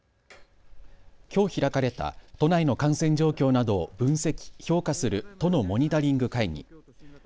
きょう開かれた都内の感染状況などを分析・評価する都のモニタリング会議。